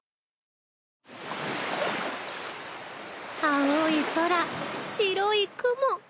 青い空白い雲。